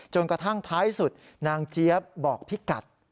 กระทั่งท้ายสุดนางเจี๊ยบบอกพี่กัด